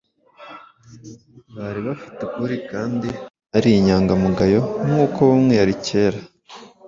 bari bafite ukuri kandi ari inyangamugayo nk’uko nawe yari kera.